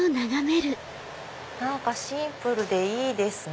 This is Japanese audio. シンプルでいいですね。